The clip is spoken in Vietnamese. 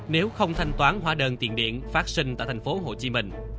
nếu không thanh toán hóa đơn tiền điện phát sinh tại thành phố hồ chí minh